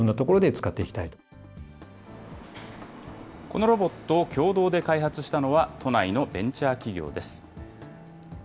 このロボットを共同で開発したのは、都内のベンチャー企業です。